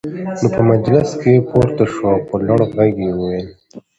نو په مجلس کې پورته شو او په لوړ غږ يې وويل: